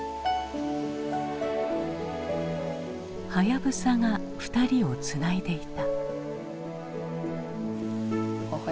はやぶさが２人をつないでいた。